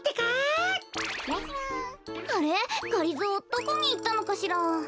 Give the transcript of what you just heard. どこにいったのかしら？